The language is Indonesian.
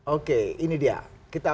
oke ini dia